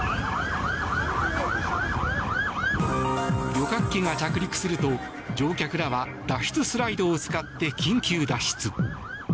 旅客機が着陸すると乗客らは脱出スライドを使って緊急脱出。